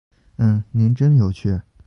嗯，您真有趣